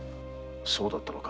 そうだったのか。